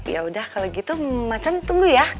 yaudah kalau gitu macan tunggu ya